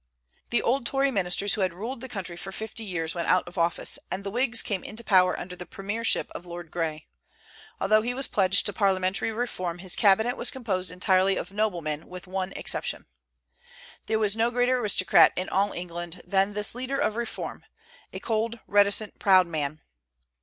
The old Tory ministers who had ruled the country for fifty years went out of office, and the Whigs came into power under the premiership of Lord Grey. Although he was pledged to parliamentary reform, his cabinet was composed entirely of noblemen, with only one exception. There was no greater aristocrat in all England than this leader of reform, a cold, reticent, proud man.